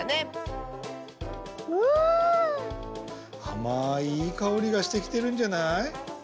あまいいいかおりがしてきてるんじゃない？